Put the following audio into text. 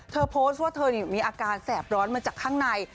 เธอโพสต์ว่าเธอมีอาการแสบร้อนมาจากข้างใน